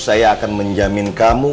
saya akan menjamin kamu